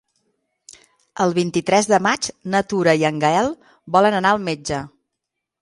El vint-i-tres de maig na Tura i en Gaël volen anar al metge.